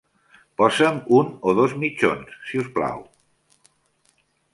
Passa'm un o dos mitjons si us plau.